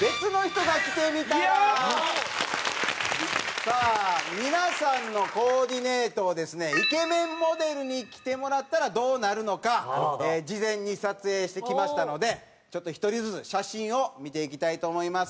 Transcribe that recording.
さあ皆さんのコーディネートをですねイケメンモデルに着てもらったらどうなるのか事前に撮影してきましたのでちょっと１人ずつ写真を見ていきたいと思います。